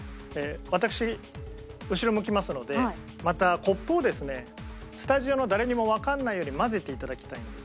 私後ろ向きますのでまたコップをですねスタジオの誰にもわからないように交ぜていただきたいんです。